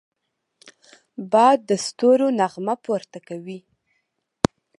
باد د ستورو نغمه پورته کوي